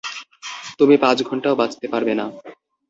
তুমি পাচ ঘন্টাও বাচতে পারবে না।